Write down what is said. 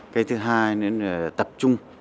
cái thứ hai là tập trung